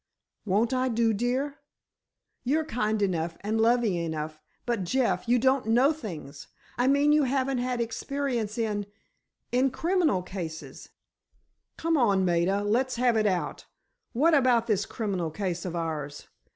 "Won't I do, dear?" "You're kind enough and loving enough—but, Jeff, you don't know things! I mean, you haven't had experience in—in criminal cases——" "Come on, Maida, let's have it out. What about this criminal case of ours?